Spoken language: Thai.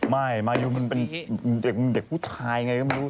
มายูมันเป็นเด็กผู้ชายไงก็ไม่รู้